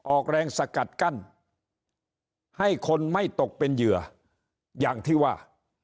ออกแรงสกัดกั้นให้คนไม่ตกเป็นเหยื่ออย่างที่ว่า